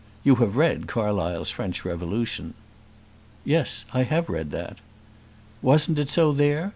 You have read Carlyle's French Revolution." "Yes, I have read that." "Wasn't it so there?